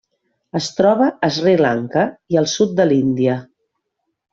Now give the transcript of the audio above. Es troba a Sri Lanka i el sud de l'Índia.